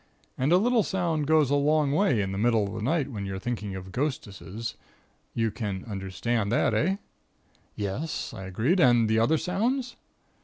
And a little sound goes a long way in the middle of the night when you're thinking of 'ghostesses.' You can understand that eh?" "Yes," I agreed. "And the other sounds?"